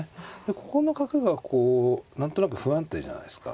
ここの角がこう何となく不安定じゃないですか。